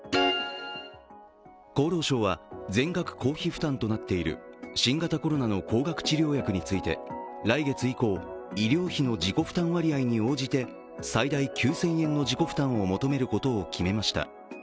厚労省は、全額公費負担となっている新型コロナの高額治療薬について来月以降、医療費の自己負担割合に応じて最大９０００円の自己負担を求めることを決めました。